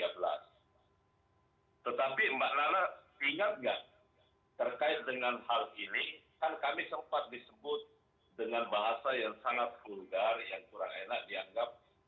tetapi mbak nana ingat nggak terkait dengan hal ini kan kami sempat disebut dengan bahasa yang sangat vulgar yang kurang enak dianggap